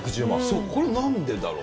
そう、これ、なんでだろう？